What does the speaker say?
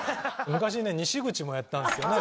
昔ね西口もやったんですけどね。